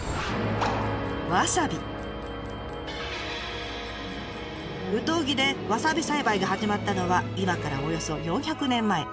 わさび！有東木でわさび栽培が始まったのは今からおよそ４００年前。